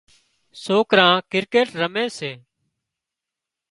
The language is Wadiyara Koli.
سوڪرا ڪرڪيٽ رمي سي